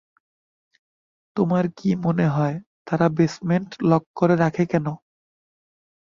তোমার কি মনে হয় তারা বেসমেন্ট লক করে রাখে কেন?